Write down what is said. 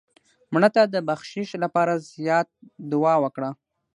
مړه ته د بخشش لپاره زیات دعا وکړه